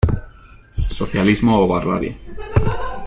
Socialismo o barbarie.